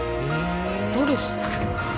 ドレス。